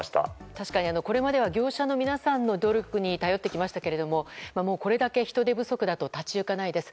確かにこれまでは業者の皆さんの努力に頼ってきましたけれどもこれだけ人手不足だと立ち行かないです。